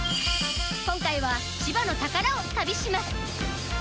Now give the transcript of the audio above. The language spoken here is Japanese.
今回は千葉の宝を旅します。